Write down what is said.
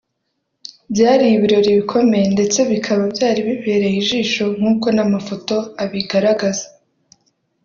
byari ibirori bikomeye ndetse bikaba byari bibereye ijisho nkuko n’amafoto abigaragaza